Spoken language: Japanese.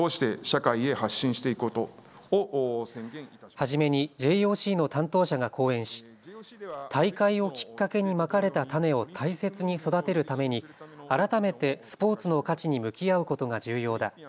初めにＪＯＣの担当者が講演し大会をきっかけにまかれた種を大切に育てるために改めてスポーツの価値に向き合うことが重要だ。